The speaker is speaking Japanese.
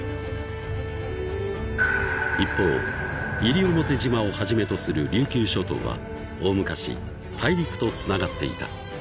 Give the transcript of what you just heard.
［一方西表島をはじめとする琉球諸島は大昔大陸とつながっていた］